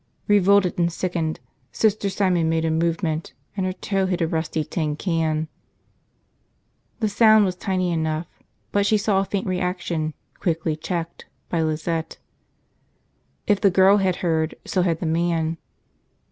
... Revolted and sickened, Sister Simon made a movement and her toe hit a rusty tin can. The sound was tiny enough but she saw a faint reaction, quickly checked, by Lizette. If the girl had heard, so had the man.